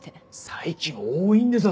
最近多いんですよ